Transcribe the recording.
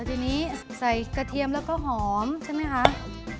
อันนี้ใส่กระเทียมและก้าวหอมใช่มั้ยครับ